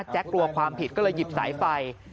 กลัวความผิดก็เลยหยิบสายไฟ